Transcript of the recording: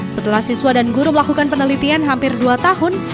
setelah siswa dan guru melakukan penelitian hampir dua tahun